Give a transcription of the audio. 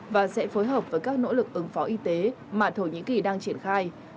và sẽ phối hợp với các nỗ lực ứng phó y tế mà thổ nhĩ kỳ đang triển khai